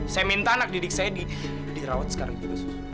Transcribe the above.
saya minta anak didik saya dirawat sekarang juga sus